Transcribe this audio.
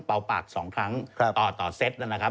เป่าปากสองครั้งต่อต่อเซ็ตนะครับ